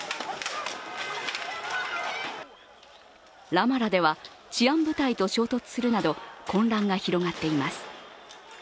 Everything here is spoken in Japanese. ラマラでは治安部隊と衝突するなど混乱が広がっています。